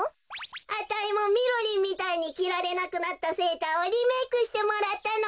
あたいもみろりんみたいにきられなくなったセーターをリメークしてもらったのべ。